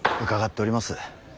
伺っております。